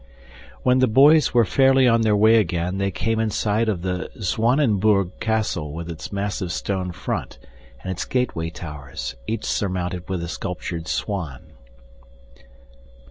When the boys were fairly on their way again, they came in sight of the Zwanenburg Castle with its massive stone front, and its gateway towers, each surmounted with a sculptured swan.